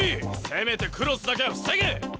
せめてクロスだけは防げ！